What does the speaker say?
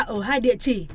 ở hai địa chỉ